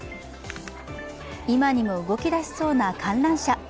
今にも動き出しそうな、観覧車。